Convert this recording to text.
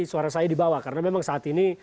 suara saya dibawa karena memang saat ini